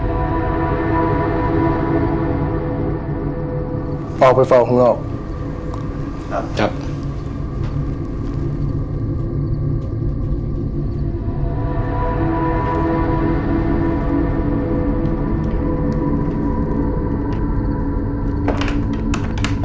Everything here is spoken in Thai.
เอาไปฟังของเรา